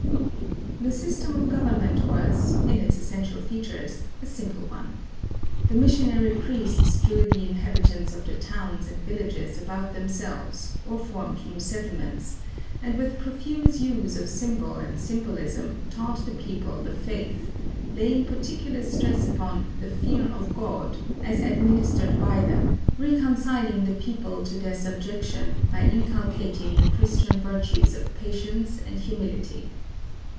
The system of government was, in its essential features, a simple one. The missionary priests drew the inhabitants of the towns and villages about themselves or formed new settlements, and with profuse use of symbol and symbolism taught the people the Faith, laying particular stress upon "the fear of God," as administered by them, reconciling the people to their subjection by inculcating the Christian virtues of patience and humility.